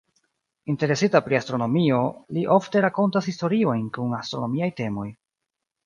Interesita pri astronomio, li ofte rakontas historiojn kun astronomiaj temoj.